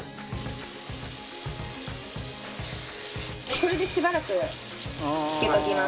これでしばらく漬けておきます。